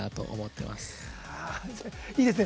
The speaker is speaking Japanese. いいですね。